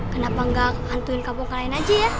kenapa gak ngantuin kampung kalian aja ya